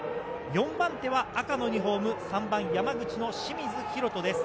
４番手は、赤のユニホーム、３番山口の清水裕友です。